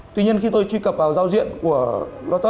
tuy nhiên khi tôi truy cập vào giao diện của lotus